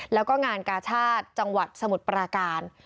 แล้วก็งานกาชาติจังหวัดสมุทรปราการ